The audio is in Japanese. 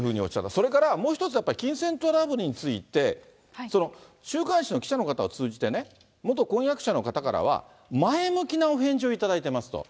それからもう一つ、やっぱり金銭トラブルについて、週刊誌の記者の方を通じてね、元婚約者の方からは、前向きなお返事を頂いてますと。